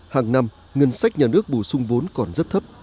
hàng năm ngân sách nhà nước bổ sung vốn còn rất thấp